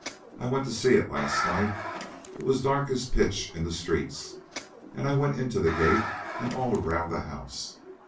I went to see it last night. It was dark as pitch in the streets, and I went into the gate and all around the house.